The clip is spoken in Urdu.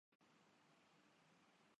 البتہ اسے کم سے کم کرنے کی کوششیں